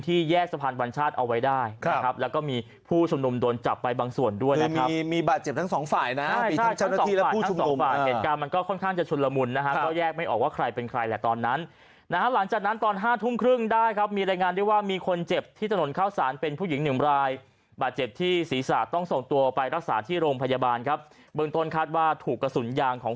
ทั้งสองฝ่านทั้งสองฝ่านเหตุการณ์มันก็ค่อนข้างจะชุนละมุนนะฮะก็แยกไม่ออกว่าใครเป็นใครแหละตอนนั้นนะฮะหลังจากนั้นตอน๕ทุ่มครึ่งได้ครับมีรายงานเรียกว่ามีคนเจ็บที่ถนนข้าวสารเป็นผู้หญิงหนึ่งรายบาดเจ็บที่ศีรษะต้องส่งตัวไปรักษาที่โรงพยาบาลครับเบื้องต้นคาดว่าถูกกระสุนยาง